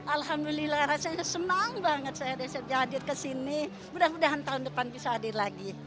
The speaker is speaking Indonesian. alhamdulillah rasanya senang banget saya bisa hadir ke sini mudah mudahan tahun depan bisa hadir lagi